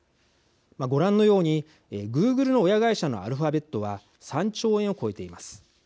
ご覧のようにグーグルの親会社のアルファベットは３兆円を超えています。